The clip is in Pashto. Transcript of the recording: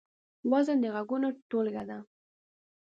وزن د غږونو ټولګه ده.